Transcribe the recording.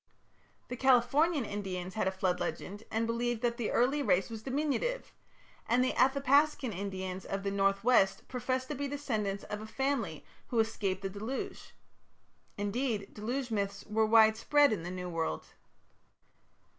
The Californian Indians had a flood legend, and believed that the early race was diminutive; and the Athapascan Indians of the north west professed to be descendants of a family who escaped the deluge. Indeed, deluge myths were widespread in the "New World".